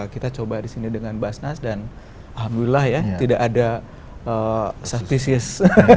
kita coba di sini dengan basnas dan alhamdulillah ya tidak ada sustices